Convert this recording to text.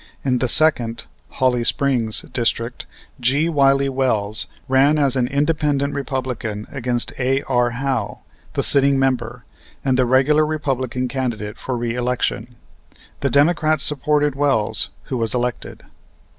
In the Second (Holly Springs) District, G. Wiley Wells ran as an Independent Republican against A.R. Howe, the sitting member, and the regular Republican candidate for reëlection. The Democrats supported Wells, who was elected.